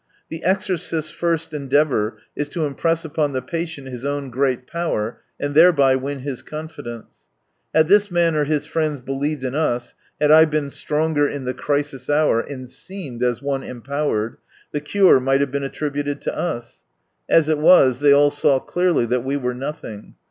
The exorcist's first endeavour is to impress upon the patient his own great power, and thereby win his confidence. Had this man or his friends believed in us, had I been stronger in the crisis hour, and seemed as one empowered, the cure might have been attributed to us. As it was, they all saw clearly enough that we were nothing.